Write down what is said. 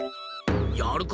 やるか！